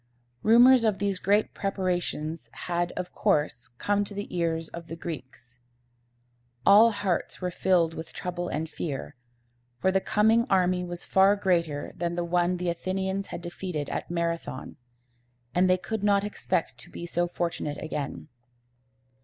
Rumors of these great preparations had, of course, come to the ears of the Greeks. All hearts were filled with trouble and fear; for the coming army was far larger than the one the Athenians had defeated at Marathon, and they could not expect to be so fortunate again.